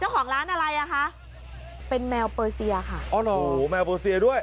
เจ้าของร้านอะไรอ่ะคะเป็นแมวเปอร์เซียค่ะอ๋อเหรอแมวเปอร์เซียด้วย